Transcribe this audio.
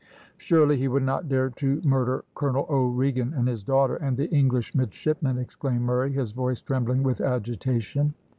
"Surely he would not dare to murder Colonel O'Regan and his daughter, and the English midshipmen," exclaimed Murray, his voice trembling with agitation.